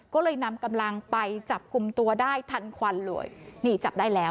ก็เลยนำกำลังไปจับกลุ่มตัวได้ทันควันเลยนี่จับได้แล้ว